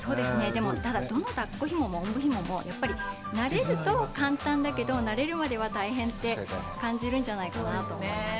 でもただどのだっこひももおんぶひももやっぱり慣れると簡単だけど慣れるまでは大変って感じるんじゃないかなと思います。